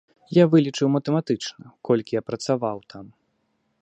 Я вылічыў матэматычна, колькі я працаваў там.